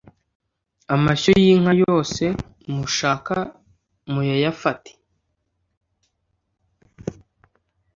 amashyo y’ inka yose mushaka muyayafate,